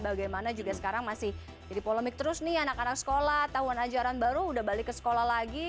bagaimana juga sekarang masih jadi polemik terus nih anak anak sekolah tahun ajaran baru udah balik ke sekolah lagi